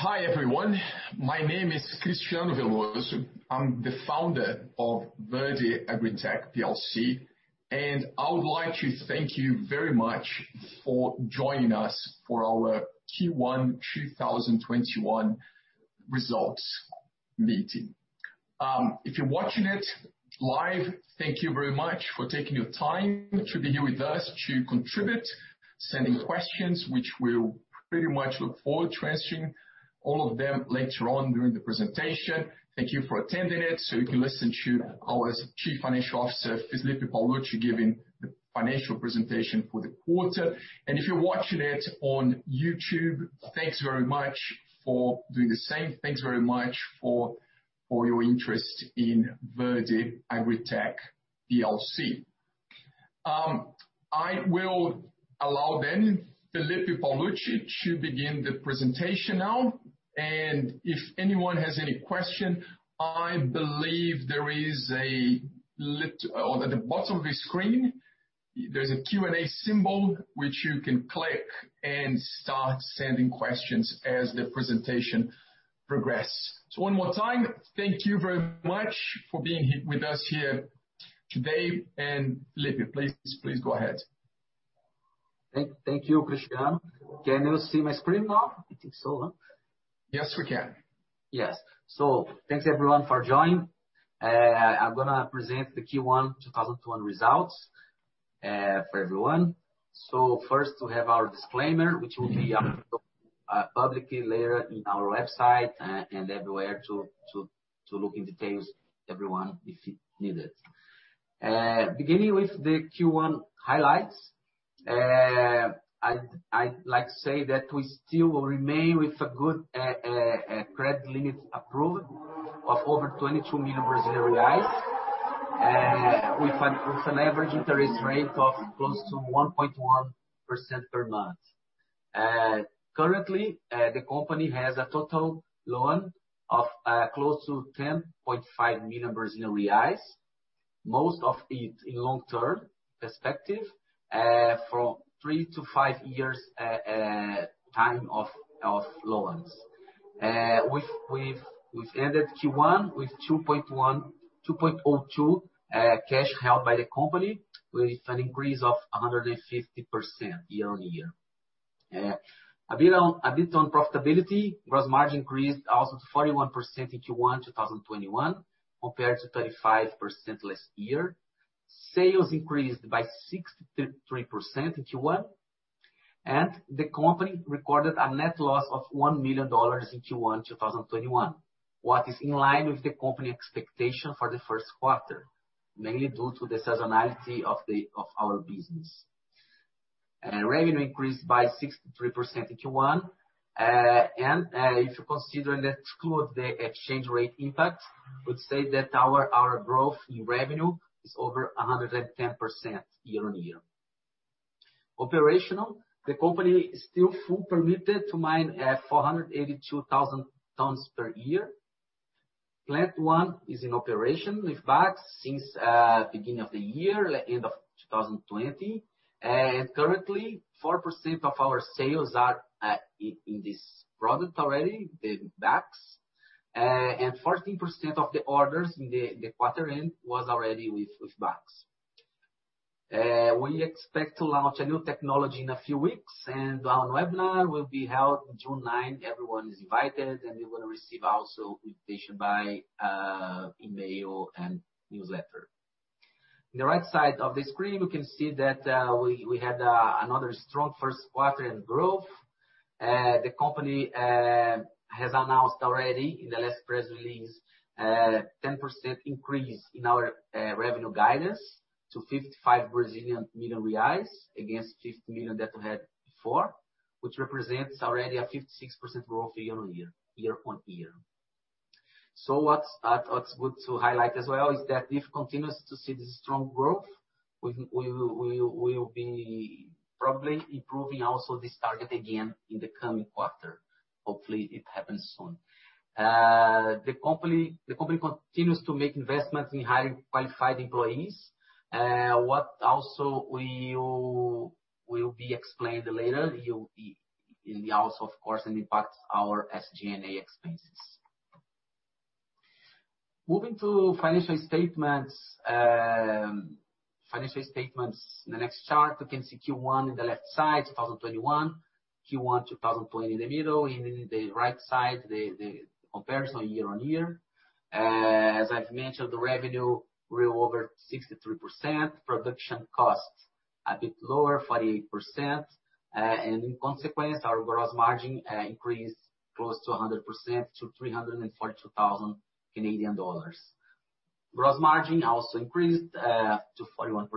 Hi, everyone. My name is Cristiano Veloso. I'm the founder of Verde AgriTech PLC. I would like to thank you very much for joining us for our Q1 2021 results meeting. If you're watching it live, thank you very much for taking the time to be with us to contribute, send questions, which we'll pretty much look forward to answering all of them later on during the presentation. Thank you for attending it, so you can listen to our Chief Financial Officer, Felipe Paolucci, giving the financial presentation for the quarter. If you're watching it on YouTube, thanks very much for doing the same. Thanks very much for your interest in Verde AgriTech PLC. I will allow then Felipe Paolucci to begin the presentation now, and if anyone has any question, I believe there is a Q&A symbol at the bottom of the screen which you can click and start sending questions as the presentation progress. One more time, thank you very much for being with us here today, and Felipe, please go ahead. Thank you, Cristiano. Can you see my screen now? Yes, we can. Yes. Thanks, everyone, for joining. I'm going to present the Q1 2021 results for everyone. First, we have our disclaimer, which will be available publicly later on our website and everywhere to look in detail, everyone, if you need it. Beginning with the Q1 highlights, I'd like to say that we still remain with a good credit limit approved of over 22 million Brazilian reais, with an average interest rate of close to 1.1% per month. Currently, the company has a total loan of close to 10.5 million Brazilian reais, most of it in long-term perspective, for three to five years time of loans. We've ended Q1 with 2.02 million cash held by the company, with an increase of 150% year-over-year. A bit on profitability, gross margin increased 141% in Q1 2021 compared to 35% last year. Sales increased by 63% in Q1, and the company recorded a net loss of BRL 1 million in Q1 2021, what is in line with the company expectation for the first quarter, mainly due to the seasonality of our business. Revenue increased by 63% in Q1, and if you consider that exclude the exchange rate impact, would say that our growth in revenue is over 110% year-on-year. Operational, the company is still full permitted to mine 482,000 tons per year. Plant 1 is in operation with bags since beginning of the year, end of 2020, and currently, 4% of our sales are in this product already, the bags, and 14% of the orders in the quarter end was already with bags. We expect to launch a new technology in a few weeks, and our webinar will be held on June 9th. Everyone is invited, you will receive also invitation by email and newsletter. On the right side of the screen, you can see that we had another strong first quarter in growth. The company has announced already in the last press release, a 10% increase in our revenue guidance to 55 million reais against 50 million that we had before, which represents already a 56% growth year-on-year. What's good to highlight as well is that if we continue to see the strong growth, we will be probably improving also this target again in the coming quarter. Hopefully, it happens soon. The company continues to make investments in high qualified employees, what also will be explained later. It will also, of course, impact our SG&A expenses. Moving to financial statements. Financial statements in the next chart, you can see Q1 in the left side, 2021. Q1 2020 in the middle, in the right side, the comparison year-over-year. As I've mentioned, the revenue grew over 63%, production cost a bit lower, 48%, in consequence, our gross margin increased close to 100% to 342,000 Canadian dollars. Gross margin also increased to 41%.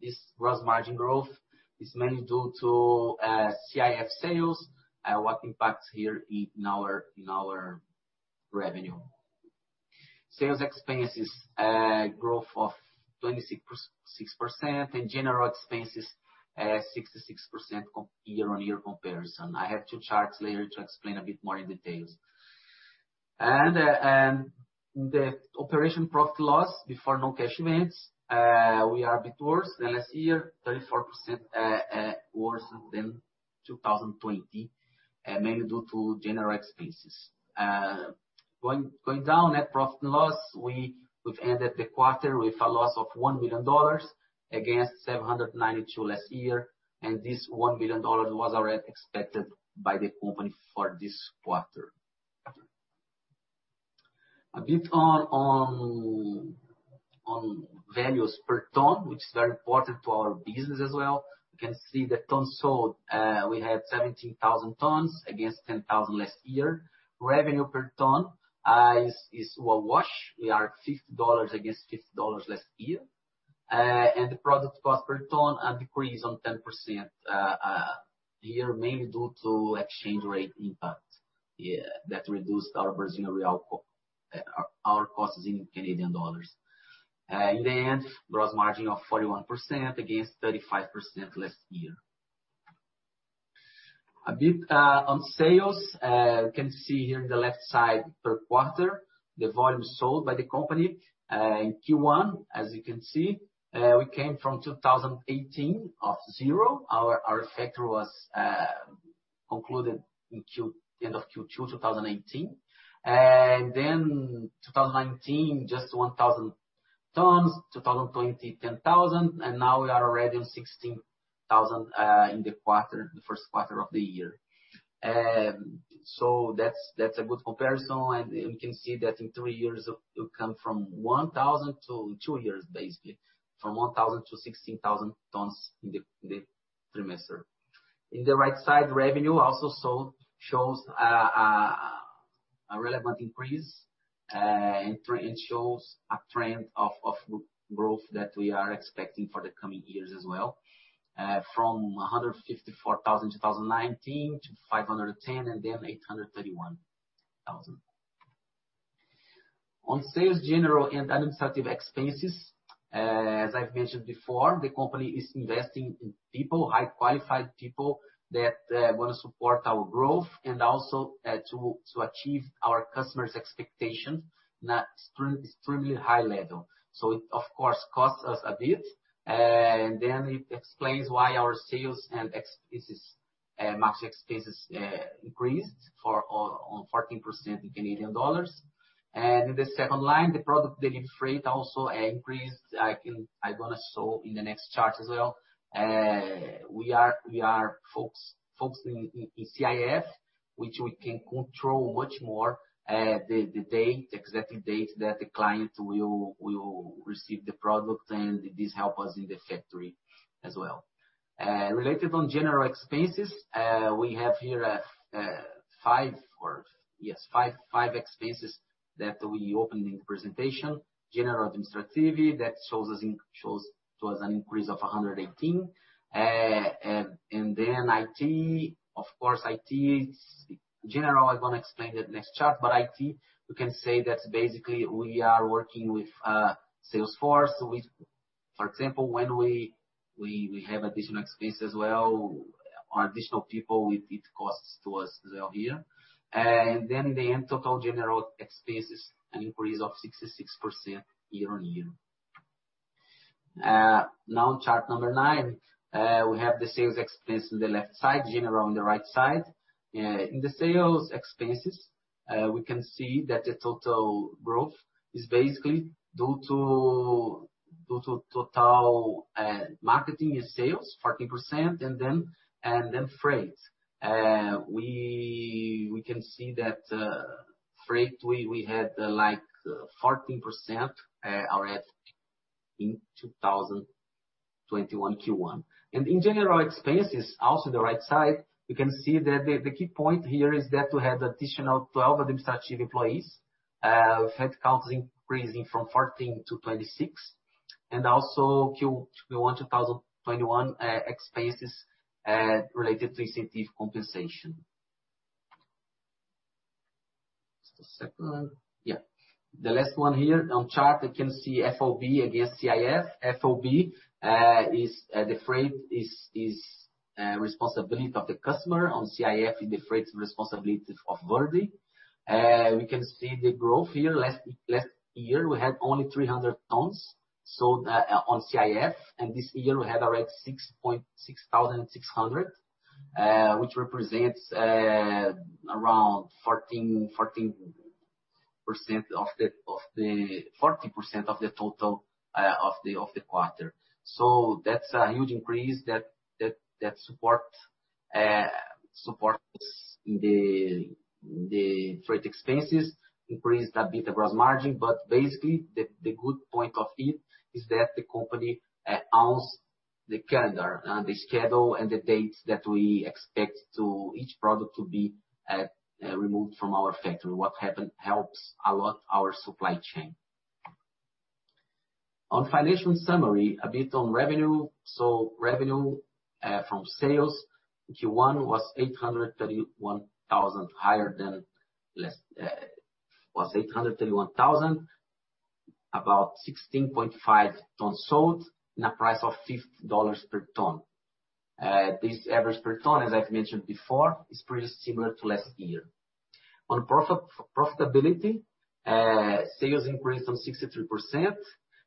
This gross margin growth is mainly due to CIF sales, what impacts here in our revenue. Sales expenses, growth of 26%, general expenses at 66% year-over-year comparison. I have two charts later to explain a bit more in details. The operation profit loss before non-cash rents, we are a bit worse than last year, 34% worse than 2020, mainly due to general expenses. Going down net profit loss, we've ended the quarter with a loss of 1 million dollars against 792,000 last year. This 1 million dollars was already expected by the company for this quarter. A bit on values per ton, which is very important for our business as well. You can see the tons sold, we had 17,000 tons against 10,000 last year. Revenue per ton is a wash. We are at 50 dollars against 50 dollars last year. The product cost per ton a decrease on 10% year mainly due to exchange rate impact that reduced our Brazilian real cost, our costs in Canadian dollars. Gross margin of 41% against 35% last year. A bit on sales, you can see here on the left side per quarter, the volume sold by the company in Q1. As you can see, we came from 2018 of 0. Our factory was concluded end of Q2 2018. 2019, just 1,000 tons, 2020, 10,000, and now we are already on 16,000 in the first quarter of the year. That's a good comparison, and you can see that in two years, basically, from 1,000 to 16,000 tons in the trimester. In the right side, revenue also shows a relevant increase and shows a trend of growth that we are expecting for the coming years as well. From 154,000 in 2019 to 510 and then 831,000. On sales, general and administrative expenses, as I've mentioned before, the company is investing in people, high-qualified people that want to support our growth and also to achieve our customers' expectations in extremely high level. It, of course, costs us a bit, and then it explains why our sales and administrative expenses increased on 14% in Canadian dollars. In the second line, the product delivery freight also increased. I'm going to show in the next chart as well. We are focusing in CIF, which we can control much more the exact date that the client will receive the product, and this help us in the factory as well. Related on general expenses, we have here five expenses that we opened in presentation. General administrative, that shows us an increase of 118%. IT, of course, IT, in general, I want to explain in the next chart, IT, you can say that basically, we are working with Salesforce. For example, when we have additional expense as well or additional people, it costs to us as well here. The total general expenses, an increase of 66% year-over-year. On chart number nine, we have the sales expenses on the left side, general expenses on the right side. In the sales expenses, we can see that the total growth is basically due to total marketing and sales, 40%, and then freight. We can see that freight, we had like 14% already in 2021 Q1. In general expenses, also on the right side, you can see that the key point here is that we have additional 12 administrative employees, headcount increasing from 14 to 26, and also Q1 2021 expenses related to incentive compensation. Just a second. Yeah. The last one here on chart, you can see FOB and CIF. FOB, the freight is responsibility of the customer. On CIF, the freight is responsibility of Verde. We can see the growth here. Last year, we had only 300 tons sold on CIF, and this year we had already 6,600, which represents around 40% of the total of the quarter. That's a huge increase that supports in the freight expenses, increase a bit the gross margin, but basically, the good point of it is that the company owns the calendar, the schedule and the dates that we expect each product to be removed from our factory. What happens helps a lot our supply chain. On financial summary, a bit on revenue. Revenue from sales, Q1 was 831,000. About 16.5 thousand tons sold and a price of BRL 50 per ton. This average per ton, as I've mentioned before, is pretty similar to last year. On profitability, sales increased by 63%,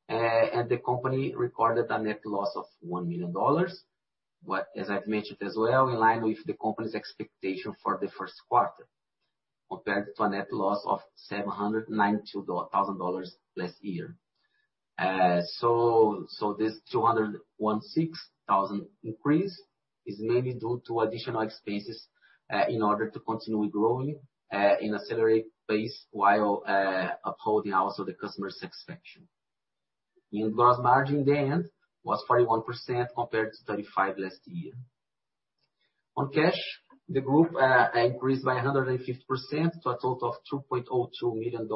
and the company recorded a net loss of $1 million, but as I've mentioned as well, in line with the company's expectation for the first quarter, compared to a net loss of $792,000 last year. This $216,000 increase is mainly due to additional expenses in order to continue growing in accelerated pace while upholding also the customer satisfaction. EBITDA margin then was 41% compared to 35% last year. On cash, the group increased by 150% to a total of $2.02 million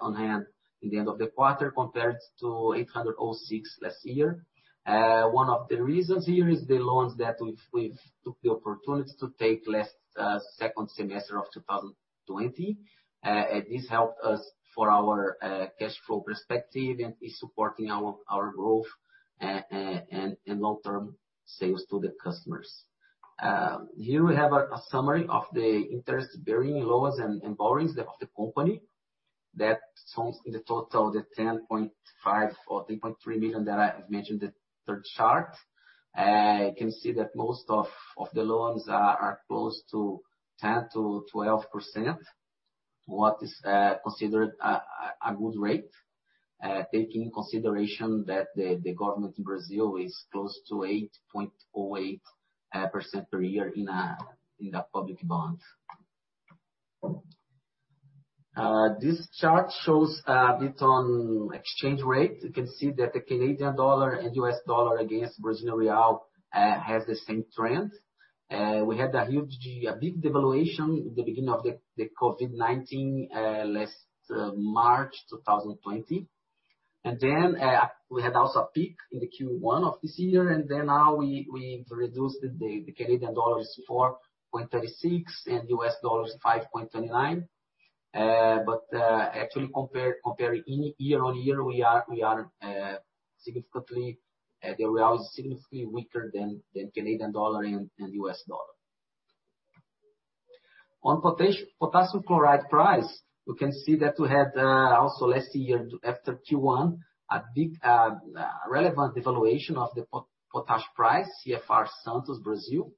on hand in the end of the quarter, compared to $806,000 last year. One of the reasons here is the loans that we've took the opportunity to take last second semester of 2020. This helped us for our cash flow perspective and is supporting our growth and long-term sales to the customers. Here we have a summary of the interest-bearing loans and borrowings of the company. That sums in the total the 10.5 million or 10.3 million that I've mentioned in the third chart. You can see that most of the loans are close to 10%-12%, what is considered a good rate, taking in consideration that the government in Brazil is close to 8.08% per year in a public bond. This chart shows a bit on exchange rate. You can see that the Canadian dollar and US dollar against Brazilian real has the same trend. We had a big devaluation in the beginning of the COVID-19 last March 2020. Then we had also a peak in the Q1 of this year, and then now we've reduced it. The Canadian dollar is 4.36 and US dollar is 5.39. Actually compare year-on-year, the real is significantly weaker than Canadian dollar and U.S. dollar. On potassium chloride price, you can see that we had also last year after Q1, a relevant devaluation of the potash price CFR Santos, Brazil.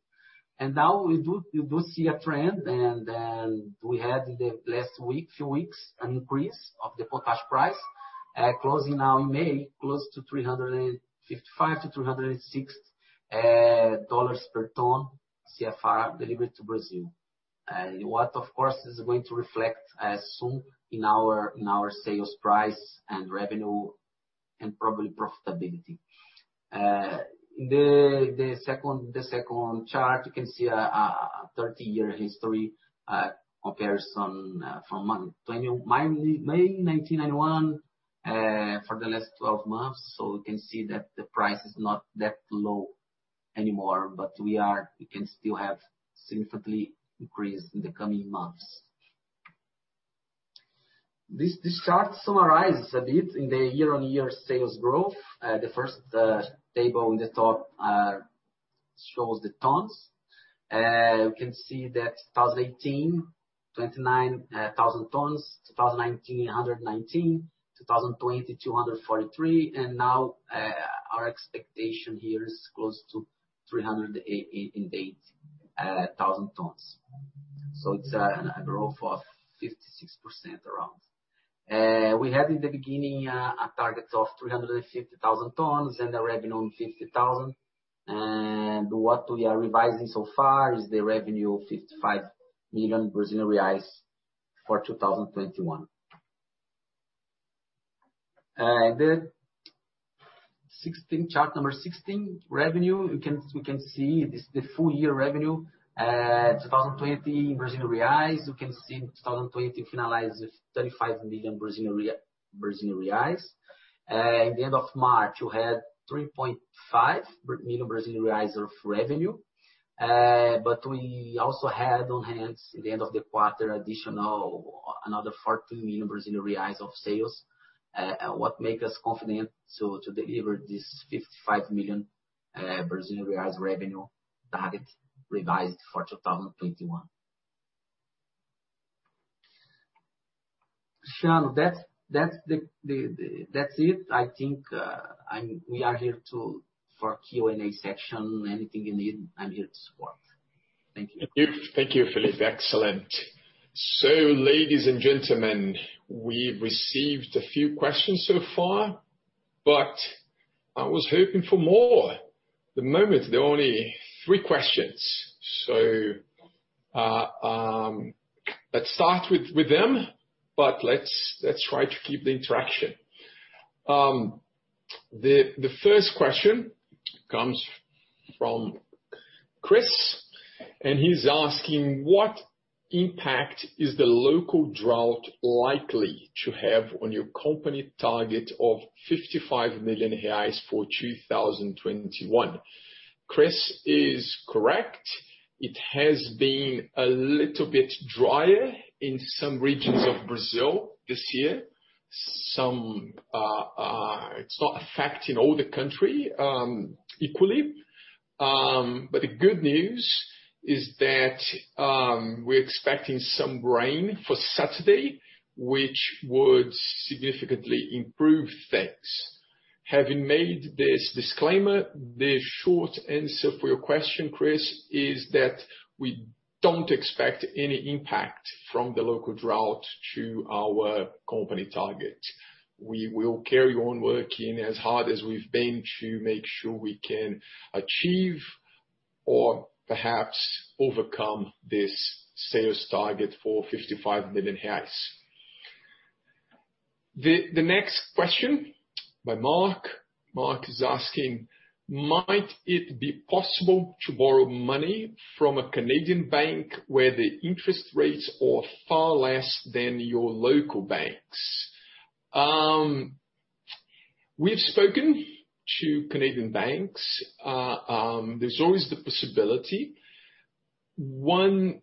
Now we do see a trend and we had in the last week, few weeks, an increase of the potash price, closing now in May, close to $355-$360 per ton CFR delivered to Brazil. What of course is going to reflect soon in our sales price and revenue and probably profitability. The second chart, you can see a 30-year history comparison from late 1991 for the last 12 months. We can see that the price is not that low anymore, but we can still have significantly increase in the coming months. This chart summarizes a bit in the year-on-year sales growth. The first table on the top shows the tons. You can see that 2018, 29,000 tons, 2019, 119,000 tons, 2020, 243,000 tons, now our expectation here is close to 388,000 tons. It's a growth of 56% around. We had in the beginning a target of 350,000 tons and a revenue on 50,000, what we are revising so far is the revenue of 55 million Brazilian reais for 2021. Chart number 16, revenue. You can see it's the full-year revenue. 2020 Brazilian reais, you can see 2020 finalized 35 million. In the end of March, we had 3.5 million Brazilian reais of revenue. We also had on hand at the end of the quarter additional, another 14 million Brazilian reais of sales, what make us confident to deliver this 55 million Brazilian reais revenue target revised for 2021. Sean, that's it. I think we are here for Q&A section. Anything you need, I'm here to support. Thank you. Thank you, Felipe. Excellent. Ladies and gentlemen, we've received a few questions so far, but I was hoping for more. At the moment, there are only three questions. Let's start with them, but let's try to keep the interaction. The first question comes from Chris Thompson, and he's asking, what impact is the local drought likely to have on your company target of 55 million reais for 2021? Chris is correct. It has been a little bit drier in some regions of Brazil this year. It's not affecting all the country equally. The good news is that we're expecting some rain for Saturday, which would significantly improve things. Having made this disclaimer, the short answer for your question, Chris, is that we don't expect any impact from the local drought to our company targets. We will carry on working as hard as we've been to make sure we can achieve or perhaps overcome this sales target for 55 million reais. The next question by Mark Bridges. Mark is asking, might it be possible to borrow money from a Canadian bank where the interest rates are far less than your local banks? We've spoken to Canadian banks. There's always the possibility. One,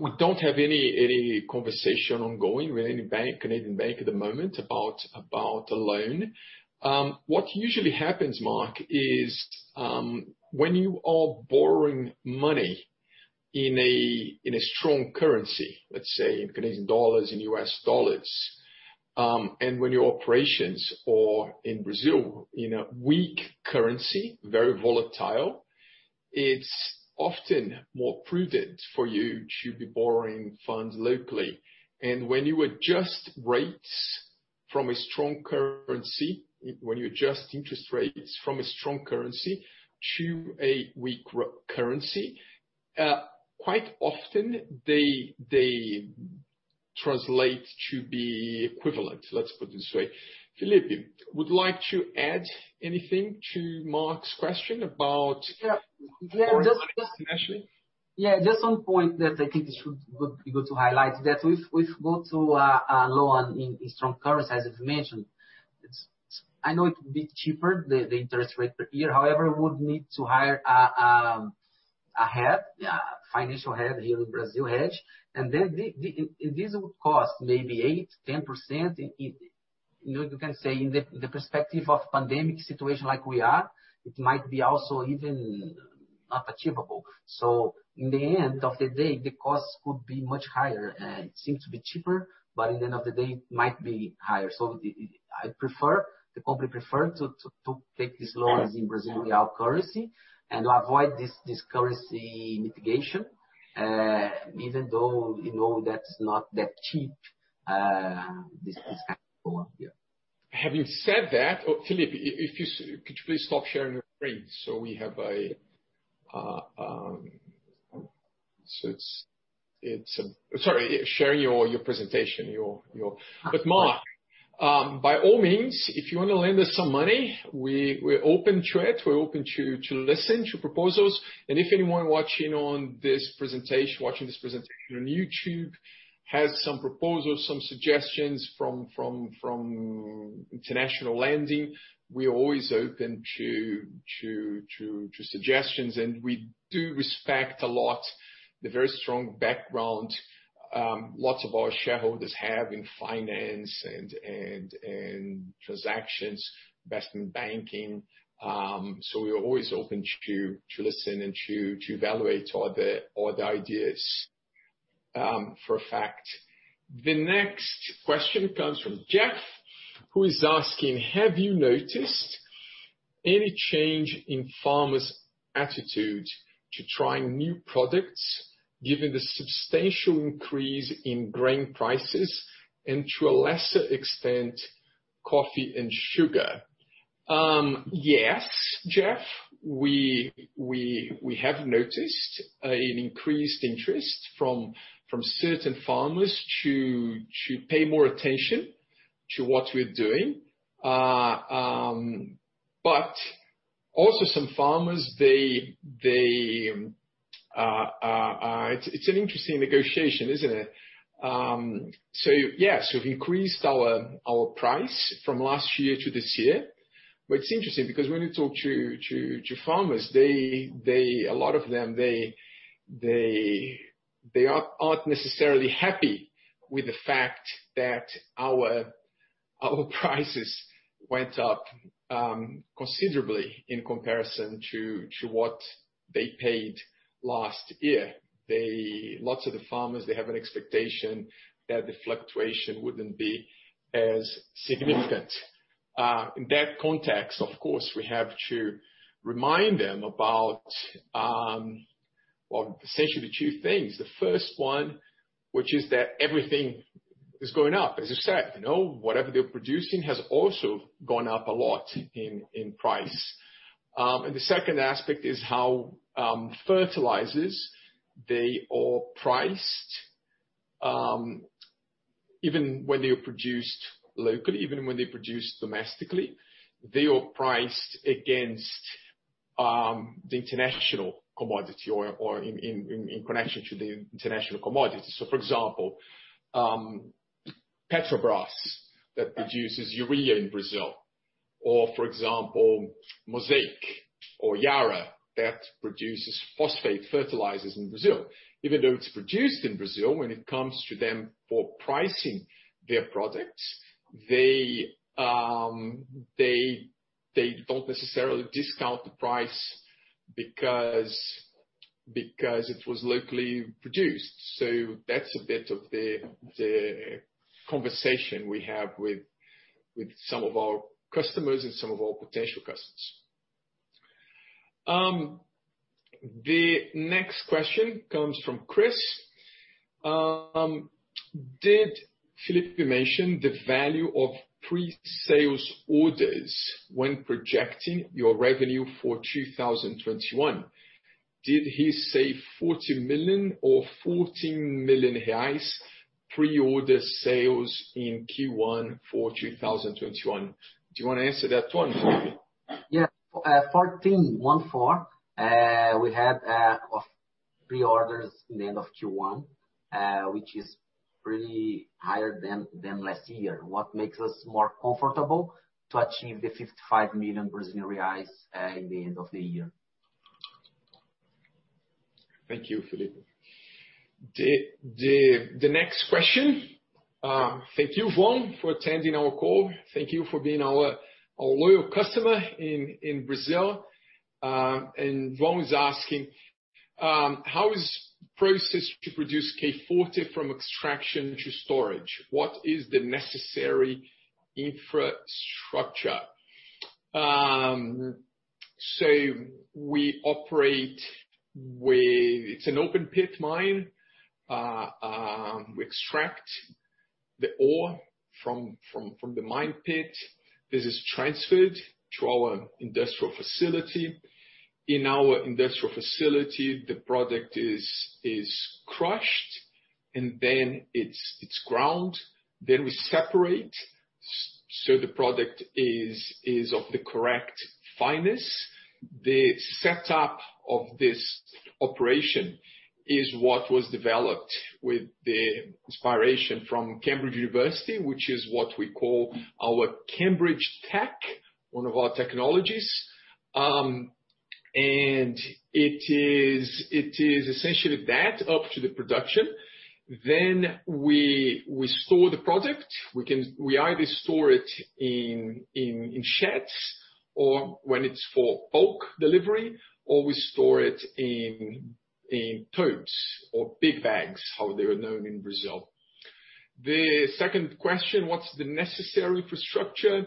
we don't have any conversation ongoing with any bank, Canadian bank at the moment about a loan. What usually happens, Mark, is when you are borrowing money in a strong currency, let's say in Canadian dollars, in U.S. dollars, and when your operations are in Brazil, in a weak currency, very volatile, it's often more prudent for you to be borrowing funds locally. When you adjust interest rates from a strong currency to a weak currency, quite often they translate to be equivalent, let's put it this way. Felipe, would you like to add anything to Mark's question? Yeah. Foreign currency, actually. Yeah, there is some point that I think it would be good to highlight that if we go to a loan in strong currency, as you mentioned, I know it would be cheaper, the interest rate per year. However, we would need to hire a head, a financial head here in Brazil, and this would cost maybe 8%-10%. You can say in the perspective of pandemic situation like we are, it might be also even not achievable. In the end of the day, the cost could be much higher. It seems to be cheaper, but in the end of the day, it might be higher. The company prefer to take these loans in Brazilian real currency and avoid this currency litigation, even though that is not that cheap, this kind of loan, yeah. Having said that, Felipe, could you please stop sharing your screen? Sorry, sharing your presentation. Mark, by all means, if you want to lend us some money, we're open to it. We're open to listen to proposals, and if anyone watching this presentation on YouTube has some proposals, some suggestions from international lending, we're always open to suggestions, and we do respect a lot the very strong background lots of our shareholders have in finance and transactions, investment banking. We're always open to listen and to evaluate all the ideas for a fact. The next question comes from Jeff Sula, who is asking, have you noticed any change in farmers' attitude to trying new products given the substantial increase in grain prices and to a lesser extent, coffee and sugar? Yes, Jeff, we have noticed an increased interest from certain farmers to pay more attention to what we're doing. Also some farmers, it's an interesting negotiation, isn't it? Yeah, so we increased our price from last year to this year. It's interesting because when we talk to farmers, a lot of them aren't necessarily happy with the fact that our prices went up considerably in comparison to what they paid last year. Lots of the farmers, they have an expectation that the fluctuation wouldn't be as significant. In that context, of course, we have to remind them about, well, essentially two things. The first one, which is that everything is going up. As you said, whatever they're producing has also gone up a lot in price. The second aspect is how fertilizers, they are priced, even when they're produced locally, even when they're produced domestically, they are priced against the international commodity or in connection to the international commodity. For example, Petrobras that produces urea in Brazil, or for example, Mosaic or Yara, that produces phosphate fertilizers in Brazil. Even though it's produced in Brazil, when it comes to them for pricing their products, they don't necessarily discount the price because it was locally produced. That's a bit of the conversation we have with some of our customers and some of our potential customers. The next question comes from Chris Thompson. "Did Felipe mention the value of pre-sales orders when projecting your revenue for 2021? Did he say 40 million or 14 million reais pre-order sales in Q1 for 2021?" Do you want to answer that one, Felipe? 14. One, four. We had that of pre-orders at the end of Q1, which is pretty higher than last year, what makes us more comfortable to achieve the 55 million Brazilian reais at the end of the year. Thank you, Felipe. The next question. Thank you, Vaughn, for attending our call. Thank you for being our loyal customer in Brazil. Vaughn Cordle is asking, "How is the process to produce K Forte from extraction to storage? What is the necessary infrastructure?" It's an open pit mine. We extract the ore from the mine pit. This is transferred to our industrial facility. In our industrial facility, the product is crushed and then it's ground, we separate, so the product is of the correct fineness. The setup of this operation is what was developed with the inspiration from Cambridge University, which is what we call our Cambridge Tech, one of our technologies. It is essentially that up to the production. We store the product. We can either store it in sheds or when it's for bulk delivery, or we store it in totes or big bags, how they're known in Brazil. The second question, what's the necessary infrastructure?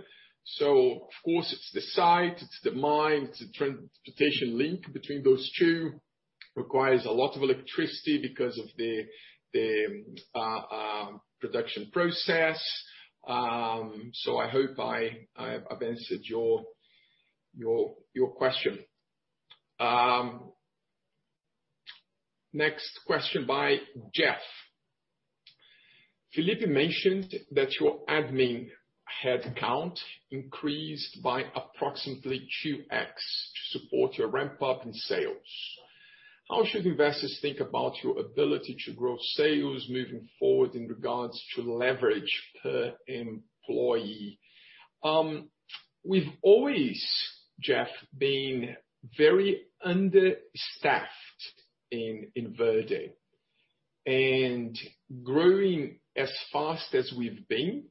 Of course, it's the site, it's the mine, it's the transportation link between those two. Requires a lot of electricity because of the production process. I hope I've answered your question. Next question by Jeff Sula. "Felipe mentioned that your admin headcount increased by approximately 2x to support your ramp-up in sales. How should investors think about your ability to grow sales moving forward in regards to leverage per employee?" We've always, Jeff, been very understaffed in Verde AgriTech and growing as fast as we've been,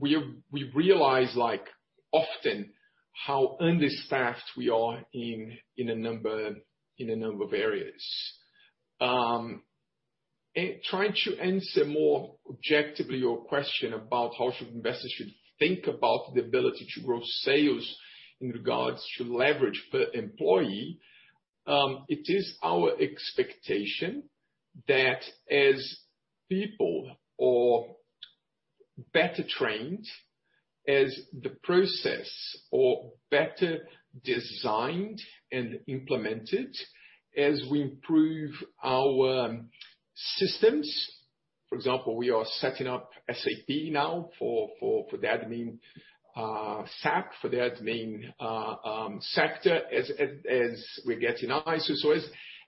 we realize often how understaffed we are in a number of areas. Trying to answer more objectively your question about how should investors think about the ability to grow sales in regards to leverage per employee. It is our expectation that as people are better trained, as the process are better designed and implemented, as we improve our systems, for example, we are setting up SAP now for the admin sector, as we're getting larger.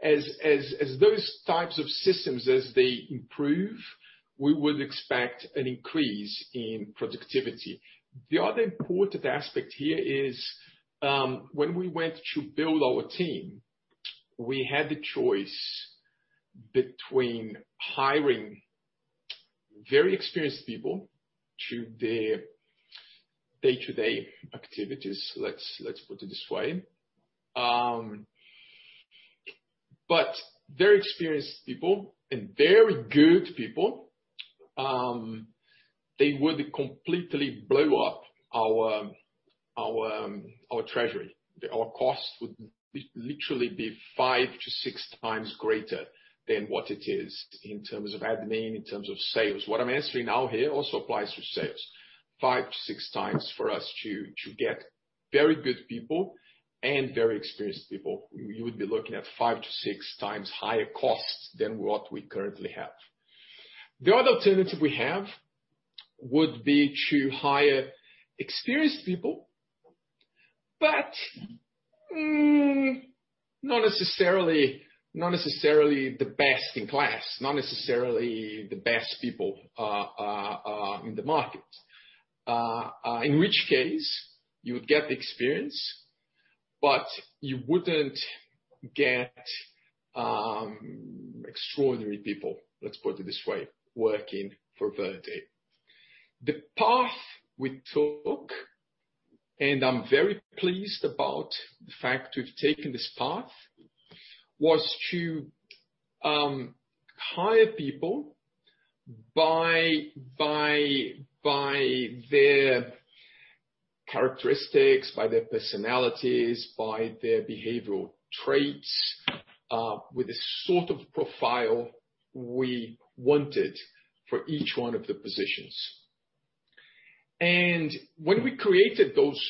As those types of systems, as they improve, we would expect an increase in productivity. The other important aspect here is, when we went to build our team, we had a choice between hiring very experienced people to their day-to-day activities. Let's put it this way. Very experienced people and very good people, they would completely blow up our treasury. Our costs would literally be 5x-6x times greater than what it is in terms of admin, in terms of sales. What I'm answering now here also applies to sales. 5x-6x for us to get very good people and very experienced people. We would be looking at 5x-6x higher costs than what we currently have. The other alternative we have would be to hire experienced people. Not necessarily the best in class, not necessarily the best people in the market. In which case, you would get the experience, but you wouldn't get extraordinary people, let's put it this way, working for Verde AgriTech. The path we took, and I'm very pleased about the fact we've taken this path, was to hire people by their characteristics, by their personalities, by their behavioral traits, with the sort of profile we wanted for each one of the positions. When we created those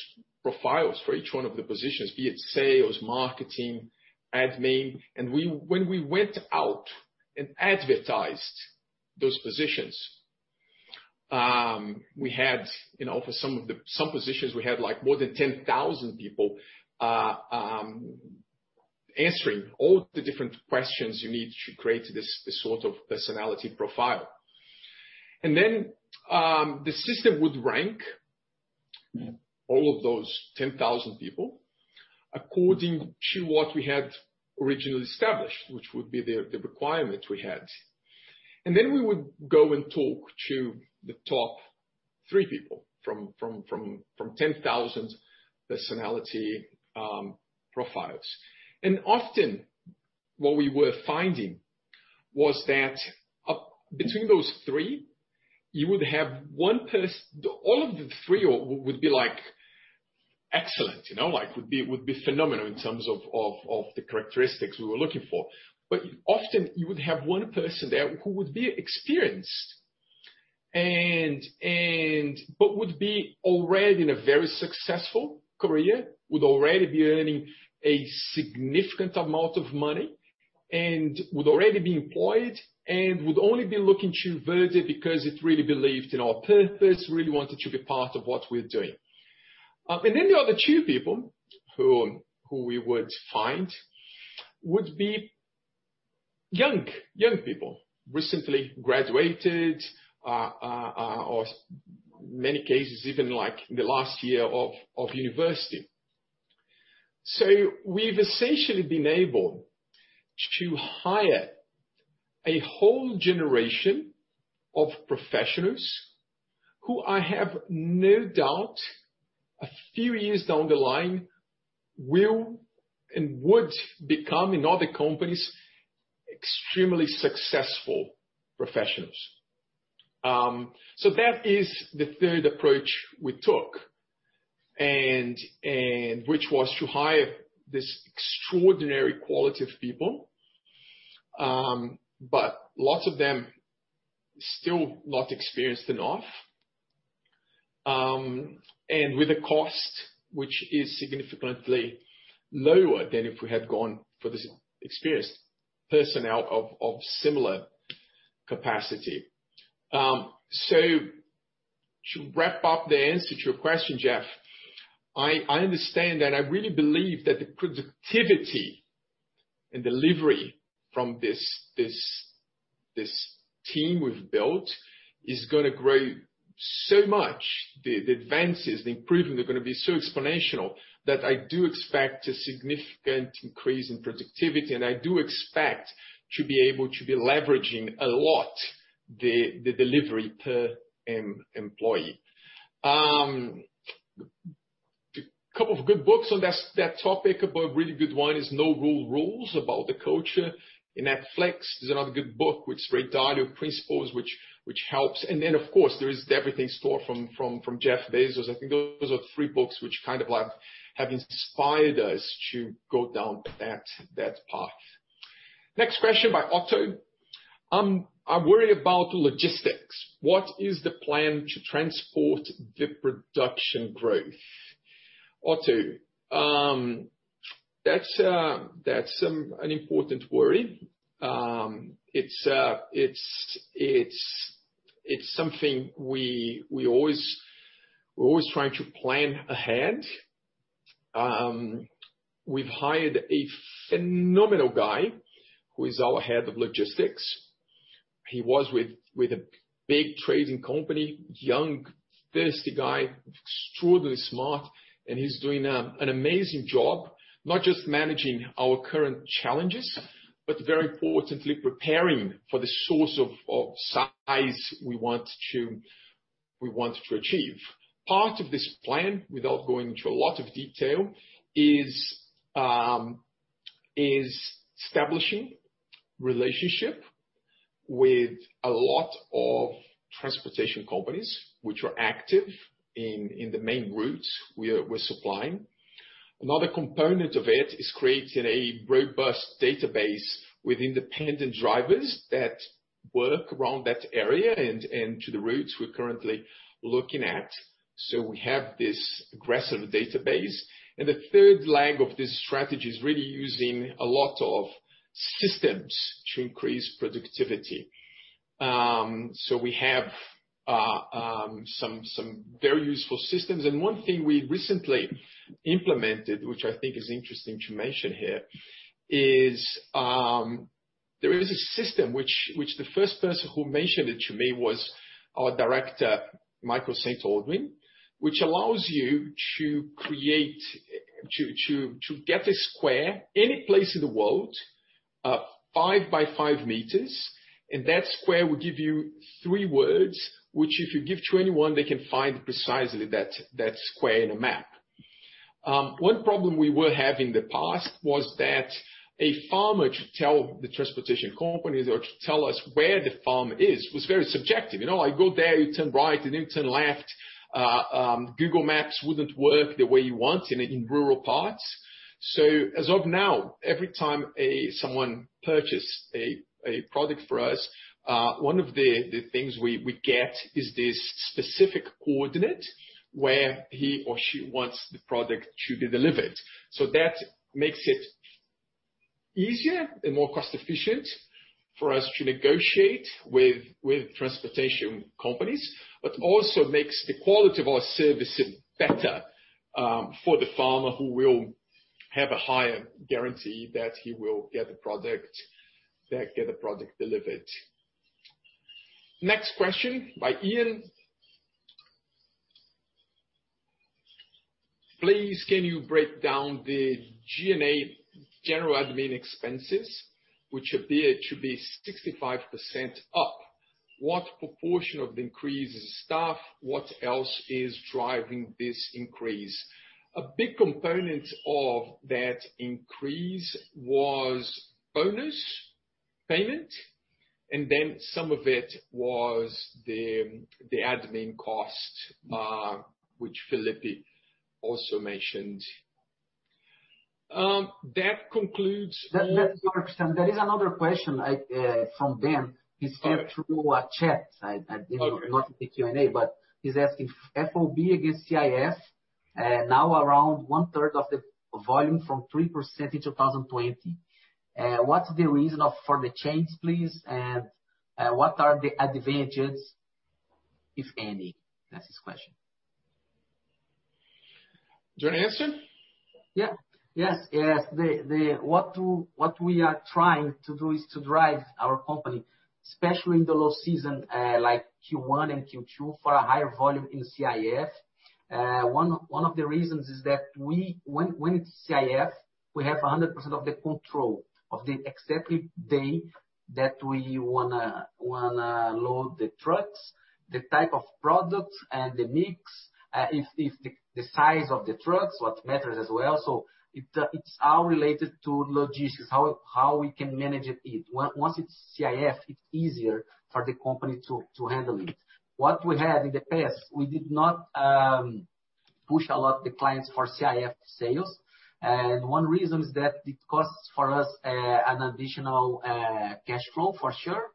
profiles for each one of the positions, be it sales, marketing, admin, and when we went out and advertised those positions, for some positions we had more than 10,000 people answering all the different questions you need to create this sort of personality profile. The system would rank all of those 10,000 people according to what we had originally established, which would be the requirement we had. We would go and talk to the top three people from 10,000 personality profiles. Often what we were finding was that between those three, all of the three would be excellent. Would be phenomenal in terms of the characteristics we were looking for. Often you would have one person there who would be experienced, but would be already in a very successful career, would already be earning a significant amount of money, and would already be employed, and would only be looking to Verde AgriTech because they really believed in our purpose, really wanted to be part of what we're doing. Then the other two people who we would find would be young people. Recently graduated, or in many cases even like in the last year of university. We've essentially been able to hire a whole generation of professionals who I have no doubt, a few years down the line, will and would become, in other companies, extremely successful professionals. That is the third approach we took, which was to hire this extraordinary quality of people. Lots of them still not experienced enough, and with a cost which is significantly lower than if we had gone for the experienced personnel of similar capacity. To wrap up the answer to your question, Jeff, I understand and I really believe that the productivity and delivery from this team we've built is going to grow so much. The advances, the improvement are going to be so exponential that I do expect a significant increase in productivity, and I do expect to be able to be leveraging a lot the delivery per employee. A couple of good books on that topic, a really good one is "No Rules Rules" about the culture in Netflix. There's another good book which is ["Radical Candor"] which helps. Then, of course, there is "The Everything Store" from Jeff Bezos. I think those are three books which kind of have inspired us to go down that path. Next question by Otto. "I'm worried about logistics. What is the plan to transport the production growth?" Otto, that's an important worry. It's something we're always trying to plan ahead. We've hired a phenomenal guy who is our head of logistics. He was with a big trading company, young, thirsty guy, extraordinarily smart, and he's doing an amazing job, not just managing our current challenges, but very importantly, preparing for the sort of size we want to achieve. Part of this plan, without going into a lot of detail, is establishing relationship with a lot of transportation companies which are active in the main routes we're supplying. Another component of it is creating a robust database with independent drivers that work around that area and to the routes we're currently looking at. We have this aggressive database, and the third leg of this strategy is really using a lot of systems to increase productivity. We have some very useful systems. One thing we recently implemented, which I think is interesting to mention here, is there is a system which the first person who mentioned it to me was our Director, Michael St. Aldwyn, which allows you to get a square any place in the world, 5-by-5 meters, and that square will give you three words, which if you give to anyone, they can find precisely that square on a map. One problem we were having in the past was that a farmer to tell the transportation companies or to tell us where the farm is was very subjective. I go there, you turn right and you turn left. Google Maps wouldn't work the way you want in rural parts. As of now, every time someone purchases a product from us, one of the things we get is this specific coordinate where he or she wants the product to be delivered. That makes it easier and more cost-efficient for us to negotiate with transportation companies, but also makes the quality of our services better for the farmer who will have a higher guarantee that he will get a product delivered. Next question by Ian. "Please, can you break down the G&A, general admin expenses, which appear to be 65% up? What proportion of the increase is staff? What else is driving this increase?" A big component of that increase was bonus payment, and then some of it was the admin cost which Felipe also mentioned. That concludes. That works. There is another question from Ben. Sure. He sent through a chat. I didn't want to put you on air, but he's asking FOB against CIF now around 1/3 of the volume from 3% in 2020. What's the reason for the change, please? What are the advantages, if any? That's his question. Do you want to answer? Yes. What we are trying to do is to drive our company, especially in the low season like Q1 and Q2, for a higher volume in CIF. One of the reasons is that when it's CIF, we have 100% of the control of the exact date that we want to load the trucks, the type of products and the mix, the size of the trucks, what matters as well. It's all related to logistics, how we can manage it. Once it's CIF, it's easier for the company to handle it. What we had in the past, we did not push a lot of clients for CIF sales. One reason is that it costs us an additional cash flow for sure,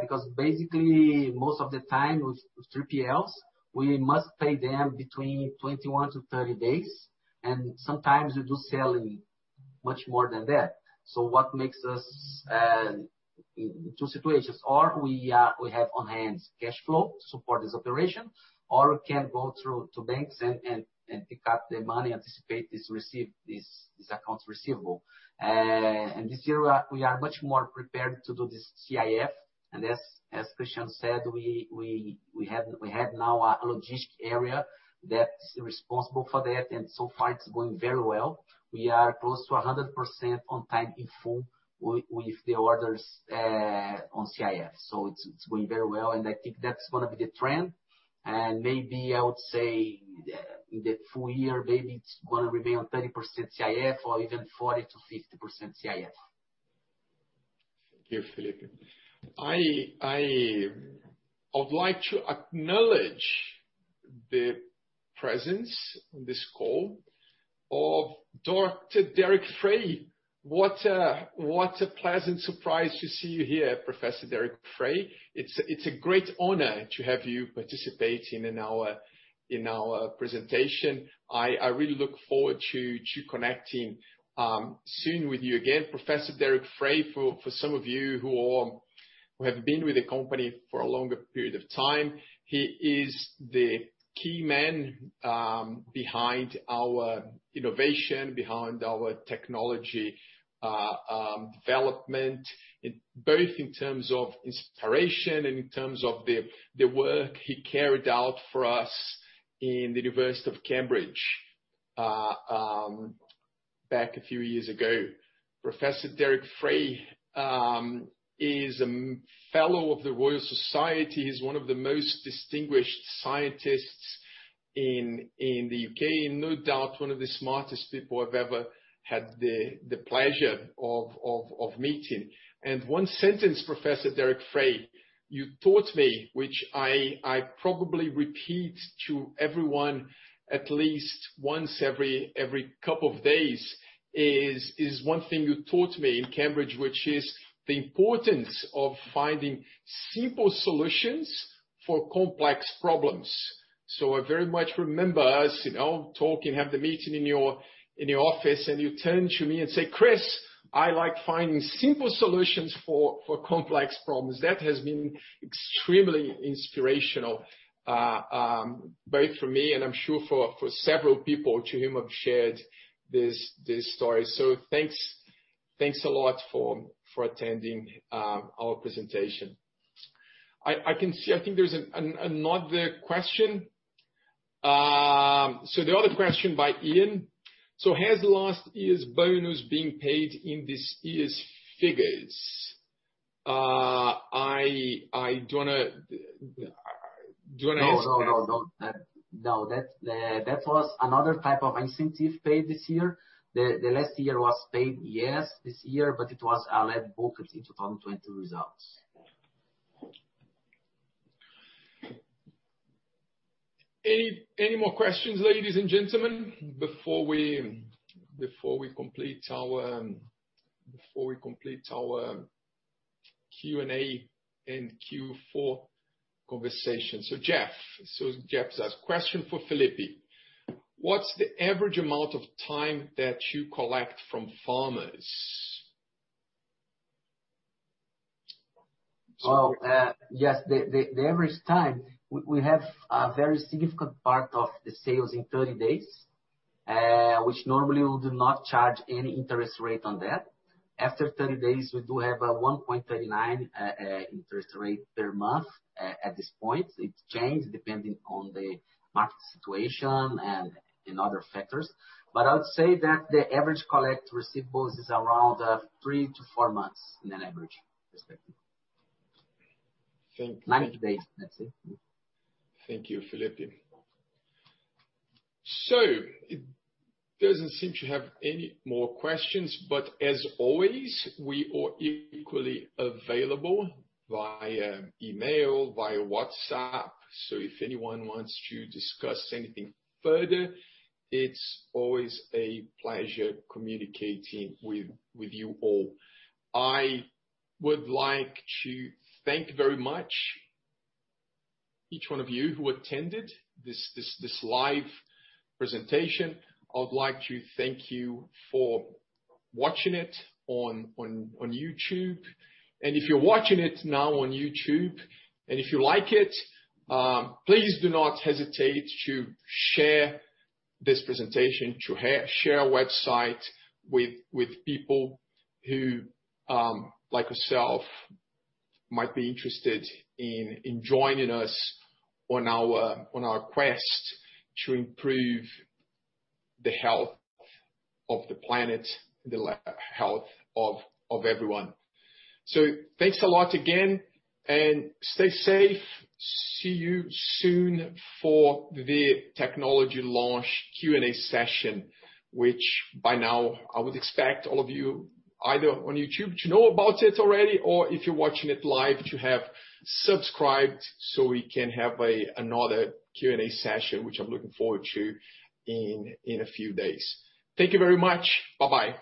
because basically, most of the time with 3PLs, we must pay them between 21 to 30 days, and sometimes we do sell much more than that. What makes us two situations. Or we have on hand cash flow to support this operation, or we can go through to banks and pick up the money, anticipate this accounts receivable. This year, we are much more prepared to do this CIF. As Cristiano said, we have now a logistics area that's responsible for that, and so far it's going very well. We are close to 100% on time in full with the orders on CIF. It's going very well, and I think that's going to be the trend. Maybe I would say in the full year, maybe it's going to remain 30% CIF or even 40%-50% CIF. Thank you, Felipe. I would like to acknowledge the presence on this call of Dr. Derek Fray. What a pleasant surprise to see you here, Professor Derek Fray. It's a great honor to have you participating in our presentation. I really look forward to connecting soon with you again. Professor Derek Fray, for some of you who have been with the company for a longer period of time, he is the key man behind our innovation, behind our technology development, both in terms of inspiration and in terms of the work he carried out for us in the University of Cambridge back a few years ago. Professor Derek Fray is a Fellow of the Royal Society. He's one of the most distinguished scientists in the U.K., and no doubt one of the smartest people I've ever had the pleasure of meeting. One sentence, Professor Derek Fray, you taught me, which I probably repeat to everyone at least once every couple of days, is one thing you taught me in Cambridge, which is the importance of finding simple solutions for complex problems. I very much remember us talking, have the meeting in your office, and you turn to me and say, "Chris, I like finding simple solutions for complex problems." That has been extremely inspirational both for me and I'm sure for several people to whom I've shared this story. Thanks a lot for attending our presentation. I can see, I think there's another question. The other question by Ian. Has the last year's bonus been paid in this year's figures? I don't know. No. That was another type of incentive paid this year. The last year was paid, yes, this year, but it was booked into 2020 results. Any more questions, ladies and gentlemen, before we complete our Q&A and Q4 conversation? Jeff Sula says, "Question for Felipe. What's the average amount of time that you collect from farmers? Well, yes, the average time, we have a very significant part of the sales in 30 days, which normally we do not charge any interest rate on that. After 30 days, we do have a 1.39 interest rate per month at this point. It changed depending on the market situation and other factors. I would say that the average collect receivables is around three to four months in an average perspective. Thank you. 90 days, let's say. Thank you, Felipe. It doesn't seem to have any more questions, as always, we are equally available via email, via WhatsApp. If anyone wants to discuss anything further, it's always a pleasure communicating with you all. I would like to thank very much each one of you who attended this live presentation. I would like to thank you for watching it on YouTube. If you're watching it now on YouTube, and if you like it, please do not hesitate to share this presentation, to share our website with people who, like yourself, might be interested in joining us on our quest to improve the health of the planet and the health of everyone. Thanks a lot again, and stay safe. See you soon for the technology launch Q&A session, which by now I would expect all of you, either on YouTube to know about it already, or if you're watching it live, to have subscribed so we can have another Q&A session, which I'm looking forward to in a few days. Thank you very much. Bye-bye.